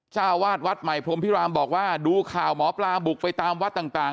เจ้าวาดวัดใหม่พรมพิรามบอกว่าดูข่าวหมอปลาบุกไปตามวัดต่าง